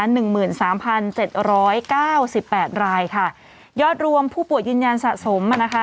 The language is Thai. หนึ่งหมื่นสามพันเจ็ดร้อยเก้าสิบแปดรายค่ะยอดรวมผู้ป่วยยืนยันสะสมมานะคะ